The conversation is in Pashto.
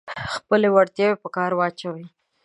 خپلې وړتیاوې په کار واچوئ.